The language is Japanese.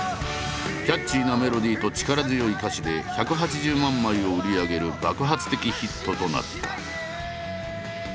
キャッチーなメロディーと力強い歌詞で１８０万枚を売り上げる爆発的ヒットとなった。